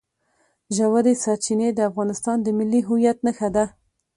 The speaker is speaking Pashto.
ژورې سرچینې د افغانستان د ملي هویت نښه ده.